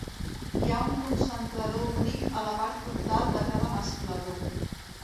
Hi ha un concentrador unit a la part frontal de cada mesclador.